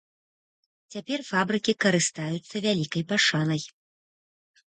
Цяпер фабрыкі карыстаюцца вялікай пашанай.